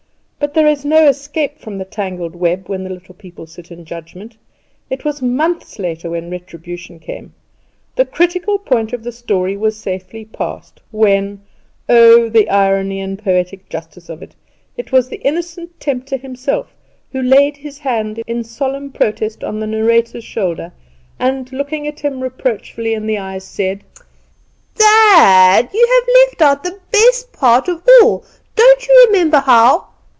But there is no escape from the 'tangled web' when the Little People sit in judgment. It was months later when retribution came. The critical point of the story was safely passed when Oh; the irony and poetic justice of it it was the innocent tempter himself who laid his hand in solemn protest on the narrator's shoulder and, looking him reproachfully in the eyes, said "Dad! You have left out the best part of all. Don't you remember how..."